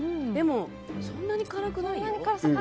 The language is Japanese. でも、そんなに辛くないよ。